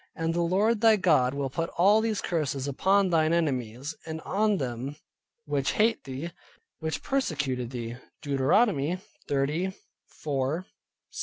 And the Lord thy God will put all these curses upon thine enemies, and on them which hate thee, which persecuted thee" (Deuteronomy 30.